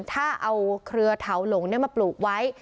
ถ้าเอาเครือเถาหลงมาปลูกไว้